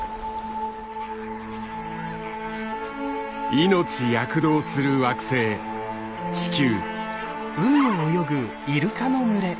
命躍動する惑星地球。